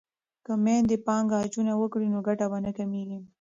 که میندې پانګه اچونه وکړي نو ګټه به نه کمیږي.